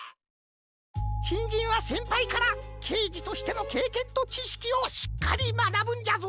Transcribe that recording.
しんじんはせんぱいからけいじとしてのけいけんとちしきをしっかりまなぶんじゃぞ。